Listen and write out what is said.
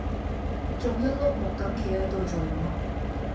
仲一碌木咁企係度做乜